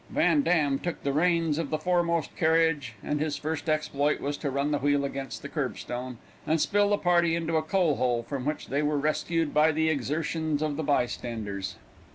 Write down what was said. Van Dam took the reins of the foremost carriage, and his first exploit was to run the wheel against the curb stone, and spill the party into a coal hole, from which they were rescued by the exertions of the bystanders.